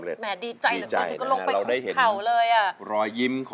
นักสู้ชีวิตแต่ละคนก็ฝ่าฟันและสู้กับเพลงนี้มากก็หลายรอบ